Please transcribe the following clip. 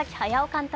監督